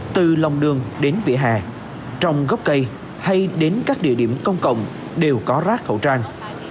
từ lòng đường đến vỉa hè trong gốc cây hay đến các địa điểm công cộng đều có rác khẩu trang